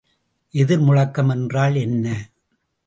எதிர்முழக்கம் என்றால் என்ன?